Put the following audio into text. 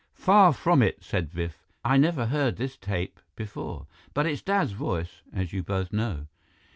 "Far from it," said Biff. "I never heard this tape before, but it's Dad's voice, as you both know.